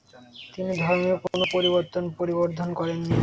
তিনি ধর্মে কোন পরিবর্তন পরিবর্ধন করেননি।